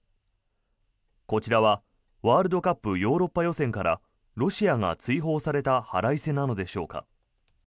こちらは、ワールドカップヨーロッパ予選からロシアが追放された腹いせなのでしょうか。